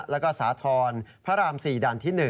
แล้วก็สาธรณ์พระราม๔ด่านที่๑